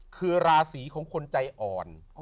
คือราศีของคนใจอ่อน